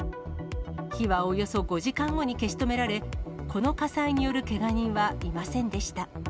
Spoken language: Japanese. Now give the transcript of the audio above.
火はおよそ５時間後に消し止められ、この火災によるけが人はいませんでした。